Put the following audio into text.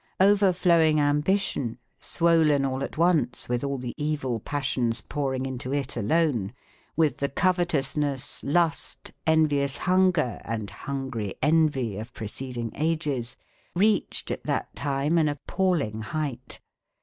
Overflowing ambition, swollen all at once with all the evil passions pouring into it alone, with the covetousness, lust, envious hunger, and hungry envy of preceding ages, reached at that time an appalling height.